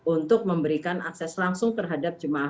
untuk memberikan akses langsung terhadap jemaah